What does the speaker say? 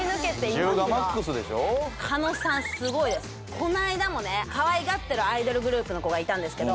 この間もね可愛がってるアイドルグループの子がいたんですけど。